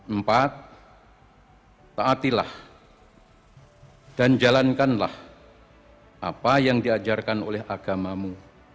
empat taatilah dan jalankanlah apa yang diajarkan oleh agamamu